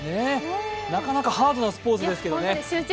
なかなかハードなスポーツですけどね。